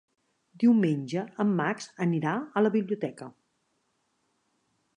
Diumenge en Max anirà a la biblioteca.